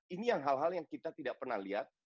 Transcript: ini hal hal yang kita tidak pernah lihat